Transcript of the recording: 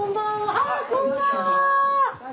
あこんばんは！